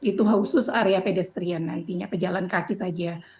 itu khusus area pedestrian jalan kaki saja